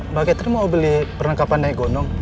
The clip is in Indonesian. mbak ketri mau beli perlengkapan naik gondong